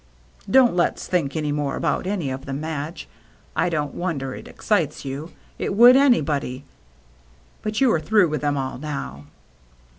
" Don't let's think any more about any of them, Madge. I don't wonder it excites you — it would anybody. But you are through with them all now."